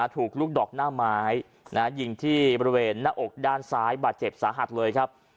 ถูกลูกดอกหน้าไม้ยิงที่บริเวณหน้าอกด้านซ้ายบาดเจ็บสาหัสเลยครับ